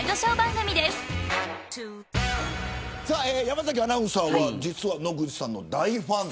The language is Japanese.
山崎アナウンサーは実は野口さんの大ファン。